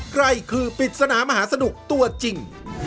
ใครคือปริศนามหาสนุกตัวจริง